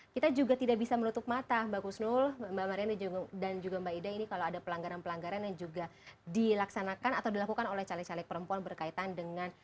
kita juga tidak bisa menutup mata mbak kusnul mbak marian dan juga mbak ida ini kalau ada pelanggaran pelanggaran yang juga dilaksanakan atau dilakukan oleh caleg caleg perempuan berkaitan dengan